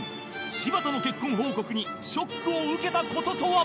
柴田の結婚報告にショックを受けた事とは？